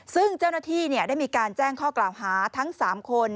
ซึ่งเจ้าหน้าที่ได้มีการแจ้งข้อกล่าวหาทั้ง๓คน